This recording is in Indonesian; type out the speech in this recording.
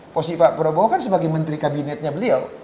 posisi pak prabowo kan sebagai menteri kabinetnya beliau